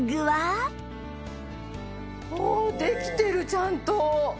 うわあできてるちゃんと。